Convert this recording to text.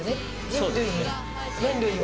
そうです。